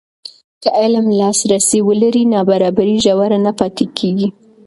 که علم لاسرسی ولري، نابرابري ژوره نه پاتې کېږي.